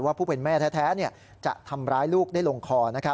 ผู้เป็นแม่แท้จะทำร้ายลูกได้ลงคอ